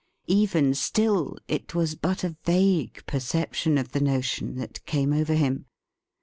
Even ;still it was but a vague perception of the notion that 'came over him.